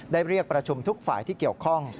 เรียกประชุมทุกฝ่ายที่เกี่ยวข้อง